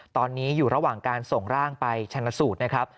ตอนนี้อยู่ระหว่างการส่งร่างไปชนะสูตรนะครับ